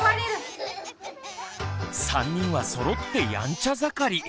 ３人はそろってやんちゃ盛り。